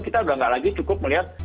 kita udah nggak lagi cukup melihat